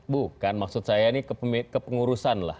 bukan maksud saya ini kepengurusan lah